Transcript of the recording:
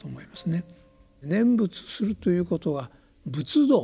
念仏するということは仏道